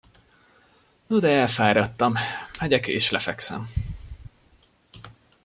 No de elfáradtam, megyek és lefekszem.